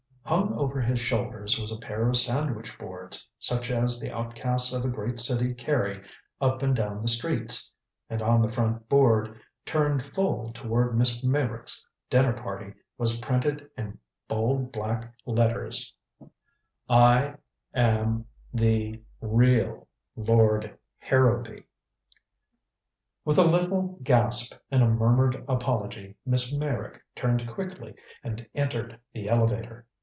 Hung over his shoulders was a pair of sandwich boards such as the outcasts of a great city carry up and down the streets. And on the front board, turned full toward Miss Meyrick's dinner party, was printed in bold black letters: I AM THE REAL LORD HARROWBY With a little gasp and a murmured apology, Miss Meyrick turned quickly and entered the elevator.